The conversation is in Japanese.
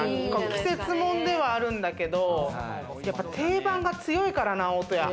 季節もんではあるんだけど、やっぱ定番は強いからな、大戸屋。